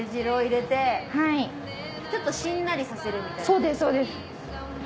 そうですそうです。